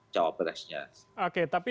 cawapresnya oke tapi